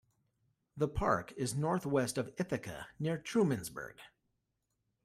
The park is northwest of Ithaca near Trumansburg.